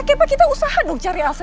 keber kita usaha dong cari elsa